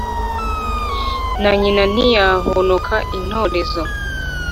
Na nyina ntiyahonoka intorezo.